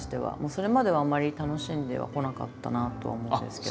それまではあんまり楽しんではこなかったなとは思うんですけど。